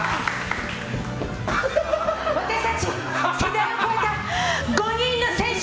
私たち世代を超えた５人の戦士。